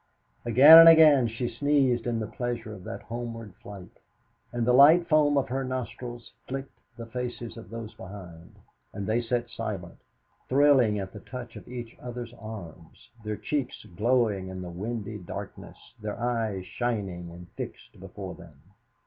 Again and again she sneezed in the pleasure of that homeward flight, and the light foam of her nostrils flicked the faces of those behind. And they sat silent, thrilling at the touch of each other's arms, their cheeks glowing in the windy darkness, their eyes shining and fixed before them.